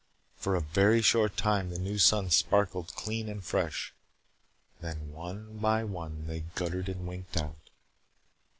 For a very short time the new suns sparkled clean and fresh. Then one by one they guttered and winked out.